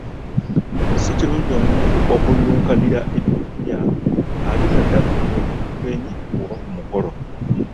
Si kirungi omuntu okululunkanira eby’okulya, ate naddala ng’oli ku bugenyi oba ku mukolo.